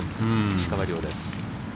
石川遼です。